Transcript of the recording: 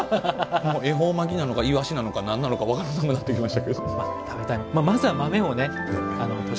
恵方巻きなのかいわしなのか、なんなのか分からなくなりました。